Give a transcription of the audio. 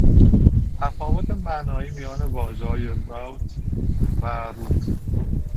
تفاوت معنایی میان واژههای "rut" و "rot"